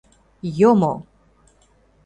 Йомо.